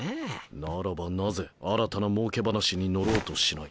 ならばなぜ新たな儲け話に乗ろうとしない？